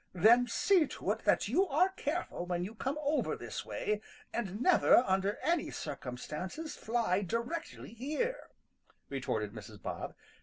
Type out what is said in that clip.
"Then see to it that you are careful when you come over this way and never under any circumstances fly directly here," retorted Mrs. Bob.